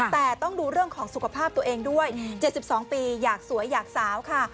แต่ต้องดูเรื่องของสุขภาพตัวเองด้วย๗๒ปีอยากสวยอยากสาวค่ะ